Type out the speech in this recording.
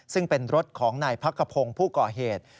ซึ่งเป็นรถของในพักกระพงผู้ก่อเหตุ